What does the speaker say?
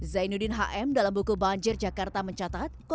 dan juga dengan semangat untuk terus menjadi yang terbaik